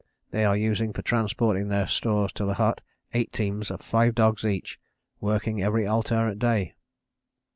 They are using for transporting their stores to the hut, eight teams of five dogs each, working every alternate day.